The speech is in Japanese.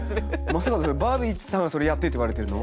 まさかそれバービーさんが「それやって」って言われてるの？